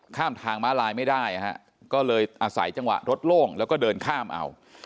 ข้ามทางม้าลายไม่ได้ก็เลยอาศัยจังหวะรถโล่งแล้วก็เดินข้ามเอา